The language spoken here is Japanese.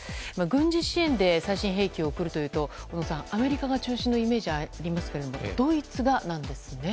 軍事支援で最新兵器を送るというと小野さん、アメリカが中心のイメージがありますけどドイツがなんですね。